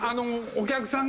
お客さんが。